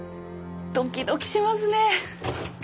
ドキドキしますね。